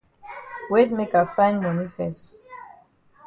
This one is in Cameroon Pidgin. Wait make I find moni fes.